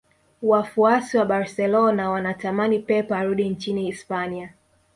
wafuasi wa barcelona wanatamani pep arudi nchini hispania